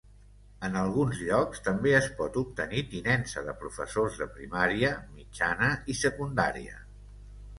En alguns llocs, també es pot obtenir tinença de professors de primària, mitjana i secundària.